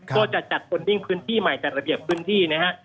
ก็จะจัดคนดิ้งพื้นที่ใหม่จัดระเบียบพื้นที่นะฮะ